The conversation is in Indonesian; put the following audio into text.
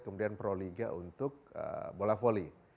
kemudian proliga untuk bola voli